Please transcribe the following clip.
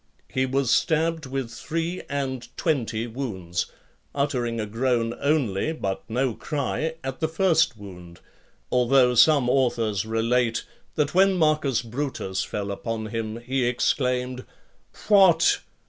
He was stabbed with three and twenty wounds, uttering a groan only, but no cry, at the first wound; although some authors relate, that when Marcus Brutus fell upon him, he exclaimed, "What!